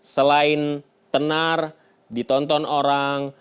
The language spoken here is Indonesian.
selain tenar ditonton orang